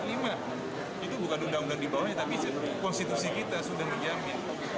itu bukan undang undang di bawahnya tapi konstitusi kita sudah menjamin